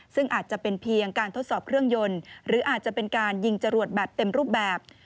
ซึ่งอาจจะเป็นเพียงการทดสอบเครื่องยนต์หรืออาจจะเป็นการยิงจรวดแบบเต็มรูปแบบ